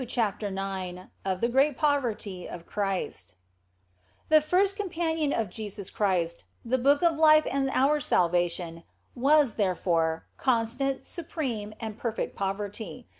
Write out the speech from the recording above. CHAPTER IX OF THE GREAT POVERTY OF CHRIST THE first companion of Jesus Christ, the Book of Life and our salvation, was, therefore, constant, supreme, and per fect poverty.